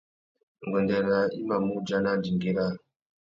Nguêndê râā i mà mù udjana andingui râā.